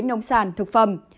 nông sản thực phẩm